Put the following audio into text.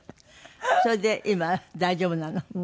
それで今大丈夫なの？